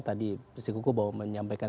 tadi si kuku bahwa menyampaikan